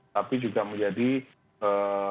tapi juga menjadi halaman berikutnya